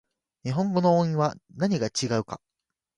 日本語の音韻は何が違うか